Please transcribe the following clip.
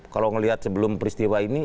kalau melihat sebelum peristiwa ini